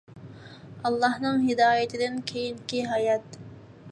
ئاللاھنىڭ ھىدايىتىدىن كېيىنكى ھايات